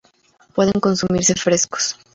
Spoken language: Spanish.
Pueden consumirse frescos.